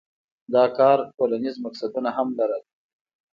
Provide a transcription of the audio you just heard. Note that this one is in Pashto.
دا کار ټولنیز مقصدونه هم لرل.